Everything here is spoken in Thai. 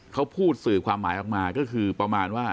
เขาพูดสื่อความหมายออกมาก็คือประมาณว่า